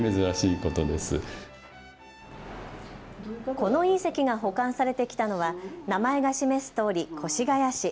この隕石が保管されてきたのは名前が示すとおり、越谷市。